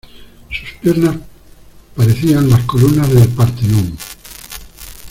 Sus piernas parecían las columnas del Partenón.